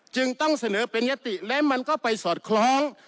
จึงต้องเสนอเป็นยติและมันก็ไปสอดคล้อง